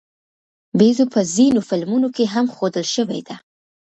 بیزو په ځینو فلمونو کې هم ښودل شوې ده.